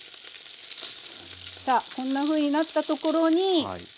さあこんなふうになったところにアスパラガス。